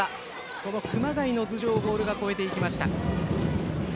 その熊谷の頭上をボールが越えていきました。